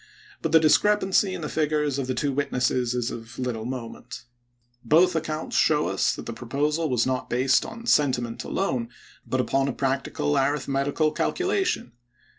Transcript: But the discrepancy in the figures of the two witnesses is of little moment. Both ac THE SECOND INAUGUKAL 137 counts show us that the proposal was not based chap.vil on sentiment alone, but upon a practical arith metical calculation.